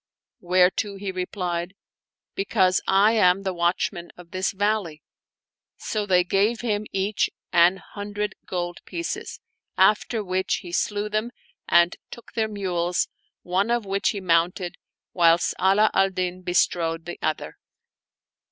whereto he replied, " Be cause I am the watchman of this valley." So they gave him each an hundred gold pieces, after which he slew them and took their mules, one of which he mounted, whilst Ala al Din bestrode the other.